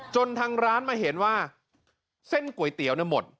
ทางร้านมาเห็นว่าเส้นก๋วยเตี๋ยวหมด